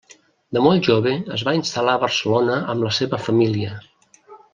De molt jove es va instal·lar a Barcelona amb la seva família.